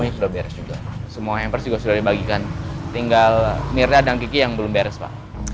ini sudah beres juga semua hampers juga sudah dibagikan tinggal mirna dan kiki yang belum beres pak